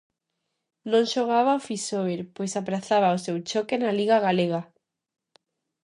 Non xogaba o Fisober pois aprazaba o seu choque na liga galega.